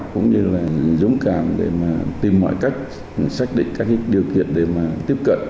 cũng như là dũng cảm để mà tìm mọi cách xác định các cái điều kiện để mà tiếp cận